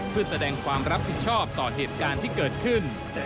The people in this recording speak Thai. เพื่อแสดงความรับผิดชอบต่อเหตุการณ์ที่เกิดขึ้น